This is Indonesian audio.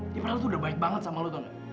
ya padahal tuh udah baik banget sama lu tau gak